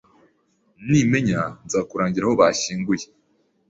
Nimenya nzakurangira aho bashyinguye.